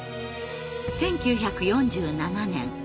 １９４７年。